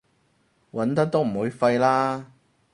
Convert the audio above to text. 揾得都唔會廢啦